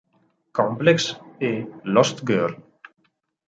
Complex" e "Lost Girl.